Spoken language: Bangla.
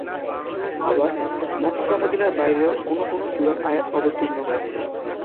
আবার মক্কা-মদিনার বাইরেও কোনো কোনো সূরার আয়াত অবতীর্ণ হয়েছে।